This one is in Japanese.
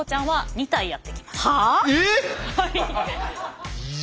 はい。